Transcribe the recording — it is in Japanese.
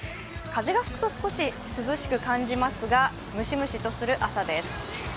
風が吹くと少し涼しく感じますが、ムシムシとする朝です。